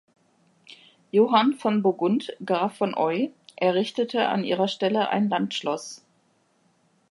Johann von Burgund, Graf von Eu, errichtete an ihrer Stelle ein Landschloss.